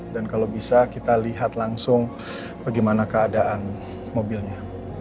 dan kalau bisa kita lihat langsung bagaimana keadaan mobilnya